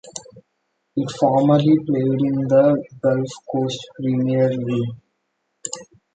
It formerly played in the Gulf Coast Premier League.